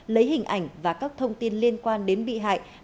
lấy hình ảnh và các thông tin liên quan đến bị hại